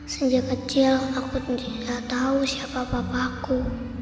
sejak kecil aku tidak tahu siapa papa aku